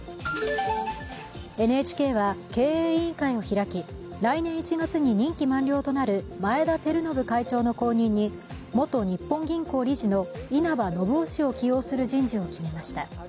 ＮＨＫは経営委員会を開き来年１月に任期満了となる前田晃伸会長の後任に元日本銀行理事の稲葉延雄氏を起用する人事を決めました。